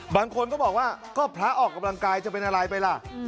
บางคนก็บอกว่าก็พระออกกำลังกายจะเป็นอะไรไปล่ะ